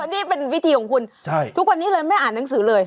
นี่เป็นวิธีของคุณทุกวันนี้เลยไม่อ่านหนังสือเลย